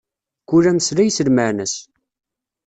Kul ameslay s lmaɛna-s.